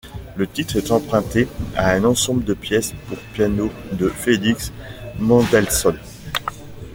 Le titre est emprunté à un ensemble de pièces pour piano de Félix Mendelssohn.